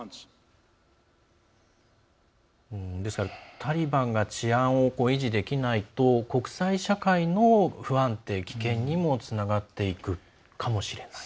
タリバンが治安を維持できないと国際社会の不安定、危険にもつながっていくかもしれない。